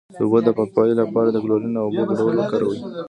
د اوبو د پاکوالي لپاره د کلورین او اوبو ګډول وکاروئ